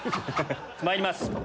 まいります